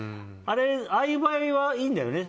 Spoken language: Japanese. ああいう場合はいいんだよね？